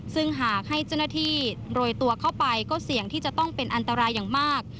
ซึ่งหากให้เจ้าหน้าที่โรยตัวเข้าไปก็เสี่ยงที่จะต้องเป็นอันตรายอย่างมาก